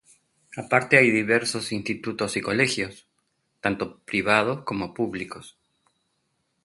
Aparte hay diversos institutos y colegios, tanto privados como públicos.